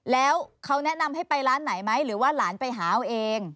แล้วเขาแนะนำให้ไปร้านไหนไหมหรือว่าหลานไปหาเอาเอง